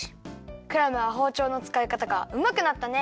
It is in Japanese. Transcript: クラムはほうちょうのつかいかたがうまくなったね！